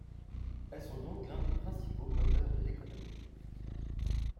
Elles sont donc l’un des principaux moteurs de l’économie.